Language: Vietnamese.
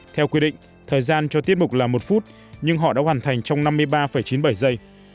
theo quy định thời gian cho tiết mục là một phút nhưng họ đã hoàn thành trong năm mươi ba chín mươi bảy giây